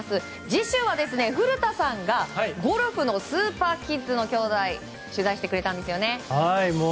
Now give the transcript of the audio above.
次週は古田さんがゴルフのスーパーキッズの兄妹を取材してくれたんですよね。